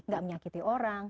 gak menyakiti orang